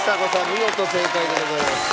見事正解でございます。